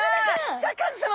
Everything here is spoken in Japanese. シャーク香音さま